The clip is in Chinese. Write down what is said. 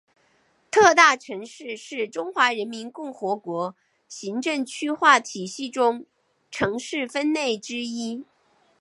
特大城市是中华人民共和国行政区划体系中城市分类之一。